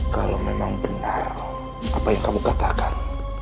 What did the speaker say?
kalau memang benar apa yang kamu katakan